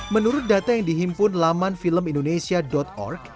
menurut data yang dihimpun laman filmindonesia org